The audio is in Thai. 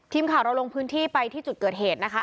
ทีมข่าวเราลงพื้นที่ไปที่จุดเกิดเหตุนะคะ